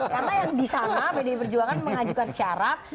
karena yang di sana pd perjuangan mengajukan syarat